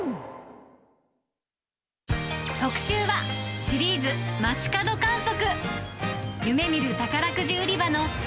特集は、シリーズ街角観測。